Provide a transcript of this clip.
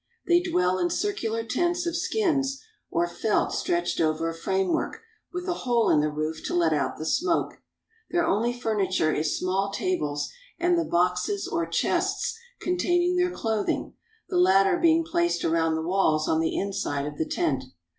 They dwell in circular tents of skins or felt stretched over a framework, with a hole in the roof to let out the smoke. Their only furniture is small tables and the boxes or chests containing their clothing, the latter 144 MONGOLIA AND MANCHURIA being placed around the walls on the inside of the tent.